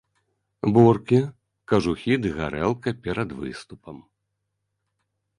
Буркі, кажухі ды гарэлка перад выступам.